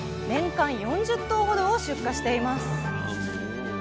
年間４０頭ほどを出荷しています。